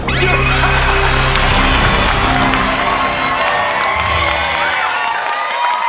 หยุดครับ